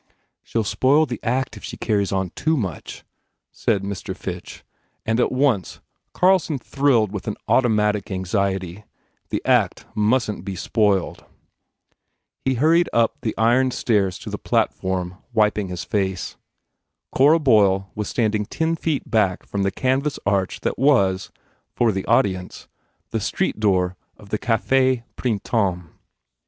"She ll spoil the act if she carries on too much," said Mr. Fitch and at once Carlson thrilled with an automatic anxiety; the act mustn t be spoiled. He hurried up the iron stairs to the platform, 12 A PERSONAGE wiping his face. Cora Boyle was standing ten feet back from the canvas arch that was, for the audience, the street door of the Cafe Printemps.